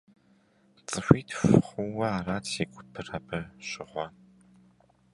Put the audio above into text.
ЦӀыхуитху хъууэ арат си гупыр абы щыгъуэ.